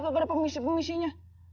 gak ada pemisah pemisahnya